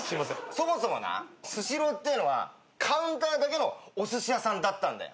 そもそもなスシローっていうのはカウンターだけのおすし屋さんだったんだよ。